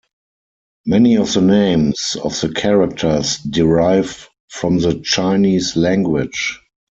Many of the names of the characters derive from the Chinese language.